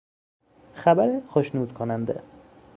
خبر خشنود کننده